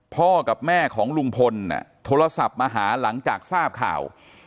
พ่อกับแม่ของลุงพลโทรศัพท์มาหาหลังจากทราบข่าว